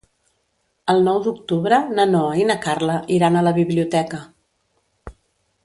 El nou d'octubre na Noa i na Carla iran a la biblioteca.